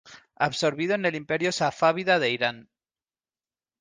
Absorbido en el Imperio safávida de Irán.